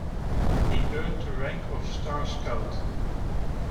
He earned the rank of Star Scout.